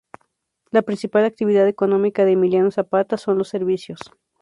La principal actividad económica de Emiliano Zapata son los servicios.